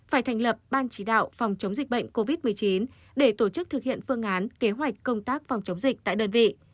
phải thành lập ban chỉ đạo phòng chống dịch bệnh covid một mươi chín để tổ chức thực hiện phương án kế hoạch công tác phòng chống dịch tại đơn vị